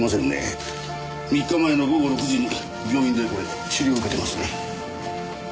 ３日前の午後６時に病院で治療を受けていますね。